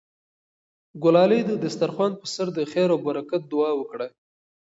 ګلالۍ د دسترخوان په سر د خیر او برکت دعا وکړه.